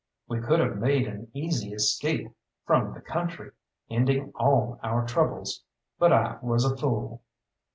We could have made an easy escape from the country, ending all our troubles but I was a fool.